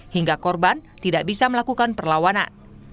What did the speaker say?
hingga korban tidak bisa melakukan perlawanan